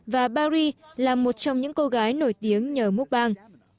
và barry là một trong những cô gái nổi tiếng nhờ múc băng